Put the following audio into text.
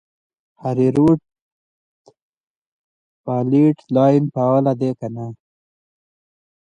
هریرود فالټ لاین فعال دی که نه؟